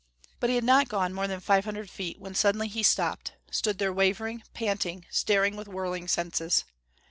But he had not gone more than five hundred feet when suddenly he stopped; stood there wavering, panting, staring with whirling senses.